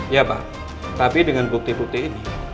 ya pak tapi dengan bukti bukti ini